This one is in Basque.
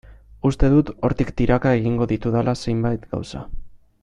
Uste dut hortik tiraka egingo ditudala zenbait gauza.